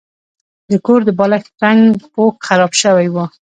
د کور د بالښت رنګه پوښ خراب شوی و.